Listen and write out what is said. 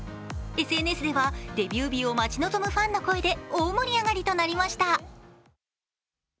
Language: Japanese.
ＳＮＳでは、デビュー日を待ち望むファンの声で大盛り上がりとなりました。